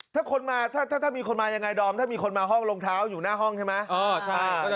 ถ้าคนมาถ้ามีคนมายังไงดอมถ้ามีคนมาห้องรองเท้าอยู่หน้าห้องใช่ไหม